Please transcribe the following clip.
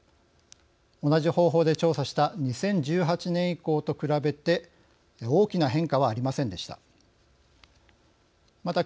同じ方法で調査した２０１８年以降と比べて大きな変化はありませんでした。